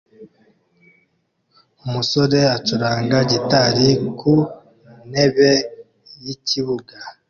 Umusore acuranga gitari ku ntebe yikibuga